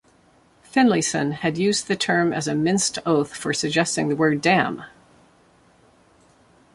Finlayson had used the term as a minced oath for suggesting the word damn!